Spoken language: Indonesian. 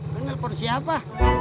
kau nelfon siapa